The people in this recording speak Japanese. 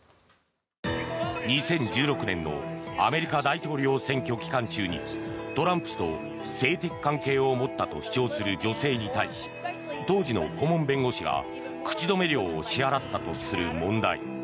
２０１６年のアメリカ大統領選挙期間中にトランプ氏と性的関係を持ったと主張する女性に対し当時の顧問弁護士が口止め料を支払ったとする問題。